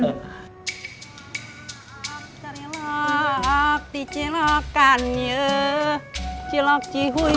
dalam yang tadi itu opuhkang dengantanya masih sedang didirikan